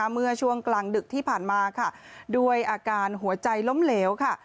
เมื่อช่วงกลางดึกที่ผ่านมาค่ะด้วยอาการหัวใจล้มเหลวค่ะ